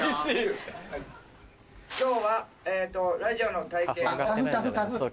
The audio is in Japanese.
今日はラジオの体験を。